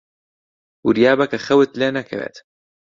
وریابە کە خەوت لێ نەکەوێت.